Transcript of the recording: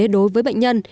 đối với bệnh nhân